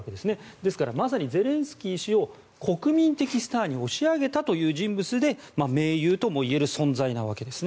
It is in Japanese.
ですから、まさにゼレンスキー氏を国民的スターに押し上げたという人物で盟友ともいえる存在なわけです。